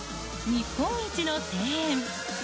日本一の庭園。